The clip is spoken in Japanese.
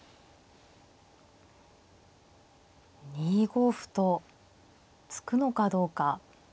２五歩と突くのかどうか。